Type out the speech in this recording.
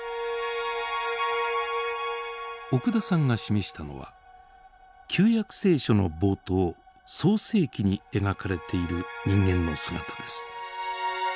奥田さんが示したのは旧約聖書の冒頭「創世記」に描かれている人間の姿です。